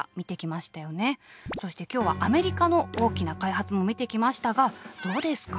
そして今日はアメリカの大きな開発も見てきましたがどうですか？